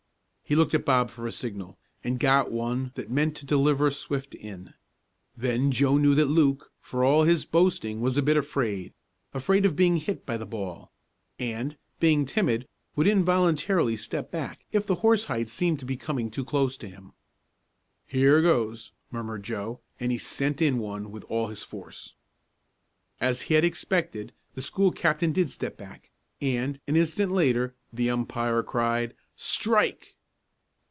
He looked at Bob for a signal, and got one that meant to deliver a swift in. Then Joe knew that Luke, for all his boasting was a bit afraid afraid of being hit by the ball, and, being timid would involuntarily step back if the horsehide seemed to be coming too close to him. "Here goes!" murmured Joe, and he sent in one with all his force. As he had expected, the school captain did step back, and, an instant later, the umpire cried: "Strike!"